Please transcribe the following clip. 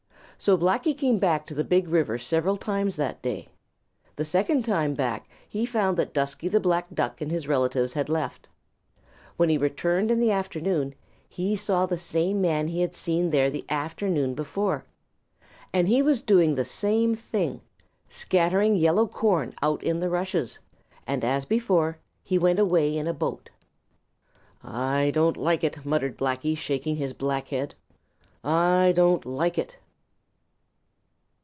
So Blacky came back to the Big River several times that day. The second time back he found that Dusky the Black Duck and his relatives had left. When he returned in the afternoon, he saw the same man he had seen there the afternoon before, and he was doing the same thing, scattering yellow corn out in the rushes. And as before, he went away in a boat. "I don't like it," muttered Blacky, shaking his black head. "I don't like it."